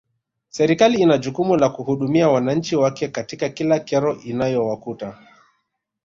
Serikali in jukumu la kuhudumia wananchi wake katika kila kero inayowakuta